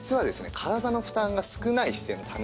体の負担が少ない姿勢のためにはですね